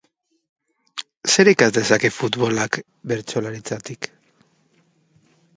Zer ikas dezake futbolak bertsolaritzatik?